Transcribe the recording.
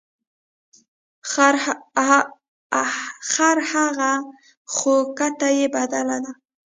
خر هغه خو کته یې بدله ده.